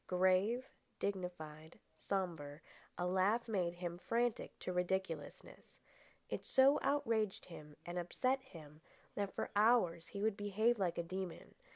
Grave, dignified, sombre, a laugh made him frantic to ridiculousness. It so outraged him and upset him that for hours he would behave like a demon.